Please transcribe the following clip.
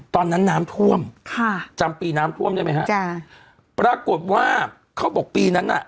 ตอนนั้นน้ำท่วมค่ะจำปีน้ำท่วมได้ไหมฮะจ้ะปรากฏว่าเขาบอกปีนั้นน่ะ